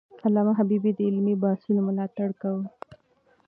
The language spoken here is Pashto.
علامه حبيبي د علمي بحثونو ملاتړ کاوه.